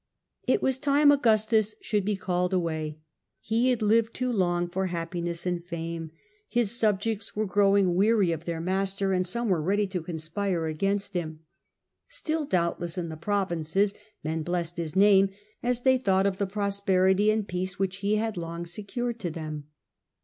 It was time Augustus should be called away ; he had lived too long for happiness and fame, his subjects Banished to I'onai. A.D. 8. — A..D. 14. /lugicstiis. 37 were growing weary of their master, and some were ready to conspire against him. Still doubtless in the provinces men blessed his name, as they thought of the prosperity and peace which he had long last less secured to them.